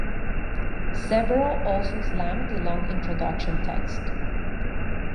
Several also slammed the long introduction text.